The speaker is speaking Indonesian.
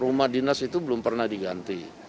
rumah dinas itu belum pernah diganti